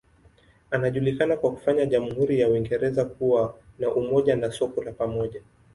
Anajulikana kwa kufanya jamhuri ya Uingereza kuwa na umoja na soko la pamoja.